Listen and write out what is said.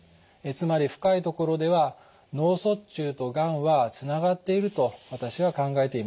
つまり深いところでは脳卒中とがんはつながっていると私は考えています。